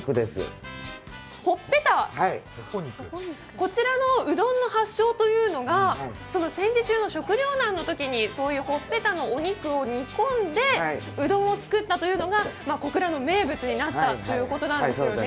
こちらのうどんの発祥というのが戦時中の食料難のときにほっぺたのお肉を煮込んでうどんを作ったというのが小倉の名物になったということなんですよね。